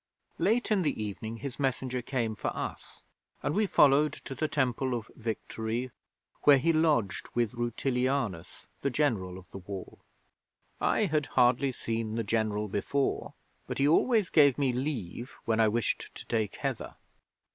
'Late in the evening his messenger came for us, and we followed to the Temple of Victory, where he lodged with Rutilianus, the General of the Wall. I had hardly seen the General before, but he always gave me leave when I wished to take Heather.